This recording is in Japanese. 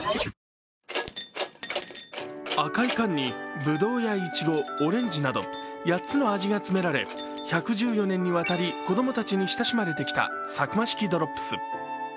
赤い缶にブドウやイチゴオレンジなど８つの味が詰められ、１１４年にわたり子供たちに親しまれてきたサクマ式ドロップス。